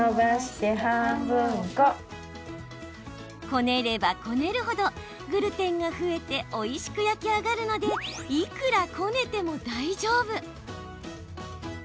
こねればこねるほどグルテンが増えておいしく焼き上がるのでいくらこねても大丈夫。